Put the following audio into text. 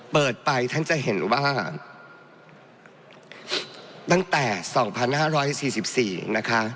เปิดไปท่านจะเห็นว่าตั้งแต่๒๕๔๔นะคะ